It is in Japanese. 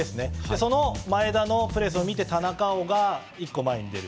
その前田のプレスを見て田中碧が１個前に出る。